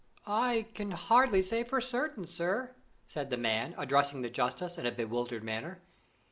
"I can hardly say for certain, sir," said the man, addressing the justice in a bewildered manner.